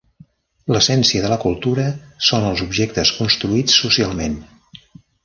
L'essència de la cultura són els objectes construïts socialment.